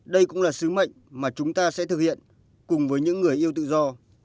đây cũng là sứ mệnh mà chúng ta sẽ thực hiện cùng với những người yêu tự do